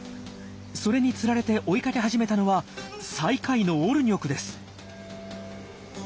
それにつられて追いかけ始めたのは最下位のオルニョクです。